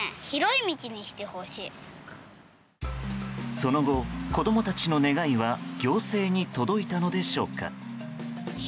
その後、子供たちの願いは行政に届いたのでしょうか。